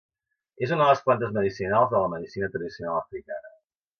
És una de les plantes medicinals de la medicina tradicional africana.